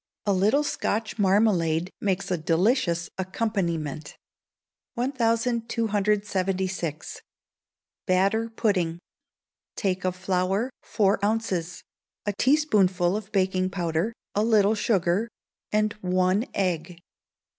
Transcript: A little Scotch marmalade makes a delicious accompaniment. 1276. Batter Pudding. Take of flour, four ounces; a teaspoonful of baking powder; a little sugar, and one egg.